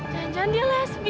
janjian dia lesbi